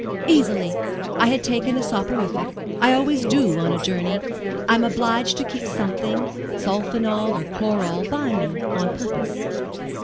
"Easily: I had taken a soporific. I always do, on a journey. I am obliged to keep something, sulphonal or chloral, by me, on purpose."